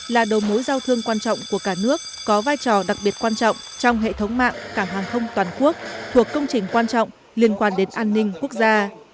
là đầu mối giao thương quan trọng của cả nước có vai trò đặc biệt quan trọng trong hệ thống mạng cảng hàng không toàn quốc thuộc công trình quan trọng liên quan đến an ninh quốc gia